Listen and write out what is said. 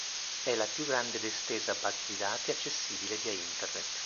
È la più grande ed estesa base di dati accessibile via internet.